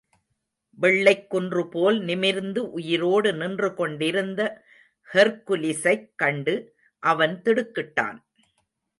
வெள்ளைக்குன்று போல் நிமிர்ந்து உயிரோடு நின்றுகொண்டிருந்த ஹெர்க்குலிஸைக் கண்டு, அவன் திடுக்கிட்டான்.